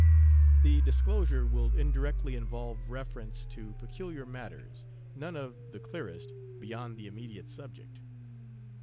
The disclosure will indirectly involve reference to peculiar matters, none of, the clearest, beyond the immediate subject.